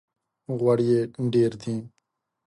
غوړي یې ډېر دي!